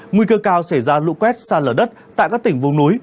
nguy cơ cao xảy ra lũ quét xa lở đất tại các tỉnh vùng núi